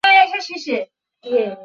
লা মোড, স্যার।